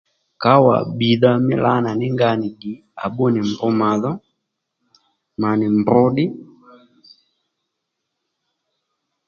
Kǎwà bbìydha mí lǎnà ní nga nì ddì à bbú nì mb màdho mà nì mbr ddí